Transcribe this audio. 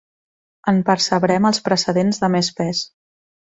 En percebrem els precedents de més pes.